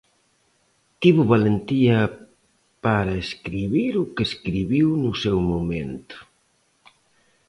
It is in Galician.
Tivo valentía para escribir o que escribiu no seu momento.